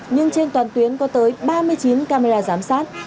nhưng trên toàn tuyến có tới ba mươi chín camera giám sát